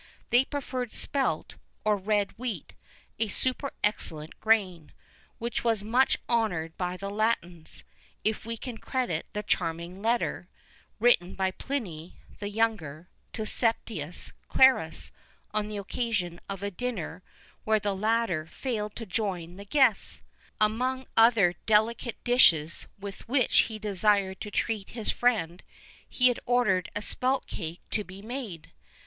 They preferred spelt, or red wheat, a super excellent grain,[V 25] which was much honoured by the Latins, if we can credit the charming letter, written by Pliny the younger, to Septilius Clarus, on the occasion of a dinner, where the latter failed to join the guests. Among other delicate dishes with which he desired to treat his friend, he had ordered a spelt cake to be made.